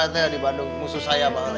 itu di bandung musuh saya bahala